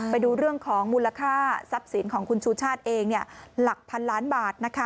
ไปดูเรื่องของมูลค่าทรัพย์สินของคุณชูชาติเองหลักพันล้านบาทนะคะ